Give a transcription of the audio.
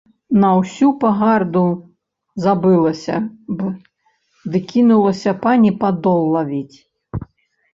На ўсю пагарду забылася б ды кінулася пані падол лавіць.